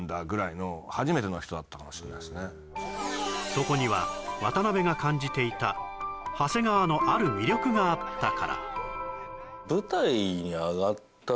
そこには渡辺が感じていた長谷川のある魅力があったから印象はありました